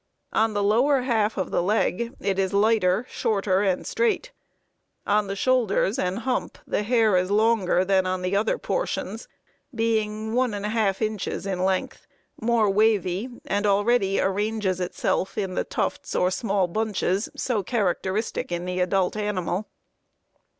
On the lower half of the leg it is lighter, shorter, and straight. On the shoulders and hump the hair is longer than on the other portions, being 11/2 inches in length, more wavy, and already arranges itself in the tufts, or small bunches, so characteristic in the adult animal.